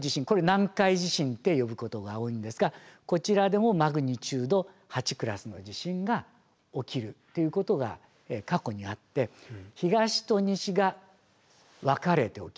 これ南海地震って呼ぶことが多いんですがこちらでもマグニチュード８クラスの地震が起きるっていうことが過去にあって東と西が分かれて起きる。